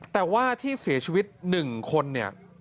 แต่ว่าที่เสียชีวิต๑คนเนี่ย